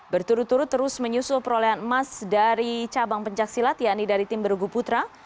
berturut turut terus menyusul perolehan emas dari cabang pencaksilat yakni dari tim bergu putra